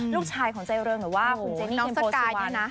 ลูกชายของใจเริ่มหรือว่าคุณเจนี่เทมโฟสุวรรณา